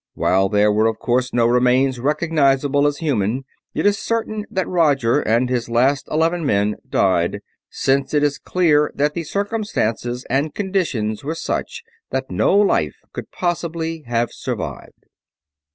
"While there were of course no remains recognizable as human, it is certain that Roger and his last eleven men died; since it is clear that the circumstances and conditions were such that no life could possibly have survived."